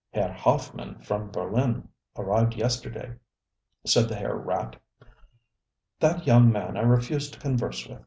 ŌĆ£Herr Hoffmann from Berlin arrived yesterday, ŌĆØ said the Herr Rat. ŌĆ£That young man I refuse to converse with.